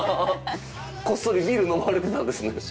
こっそりビール飲まれてたんですね。